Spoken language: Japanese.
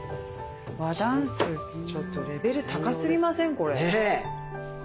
和ダンスちょっとレベル高すぎません？